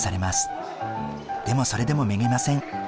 でもそれでもめげません。